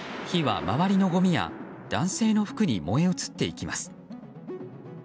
火は周りのごみや男性の服に燃え移っていきます。